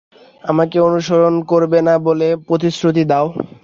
আমাকে অনুসরণ করবে না বলে প্রতিশ্রুতি দাও।